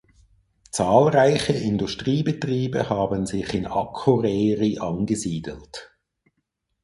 Zahlreiche Industriebetriebe haben sich in Akureyri angesiedelt.